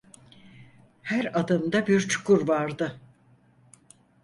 Her adımda bir çukur vardı.